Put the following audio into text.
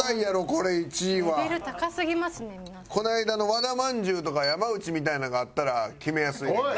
この間の和田まんじゅうとか山内みたいなのがあったら決めやすいねんけど。